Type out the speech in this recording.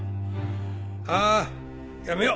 あーやめよう！